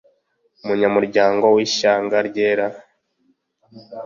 Umunyamuryango w Ishyanga ryera